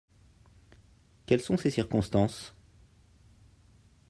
Quelles sont ces circonstances?